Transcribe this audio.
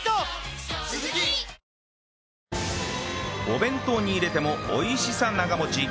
お弁当に入れても美味しさ長持ち